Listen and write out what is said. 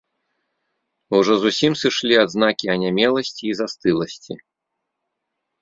Ужо зусім сышлі адзнакі анямеласці і застыласці.